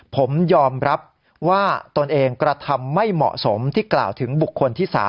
ผมยอมรับว่าตนเองกระทำไม่เหมาะสมที่กล่าวถึงบุคคลที่๓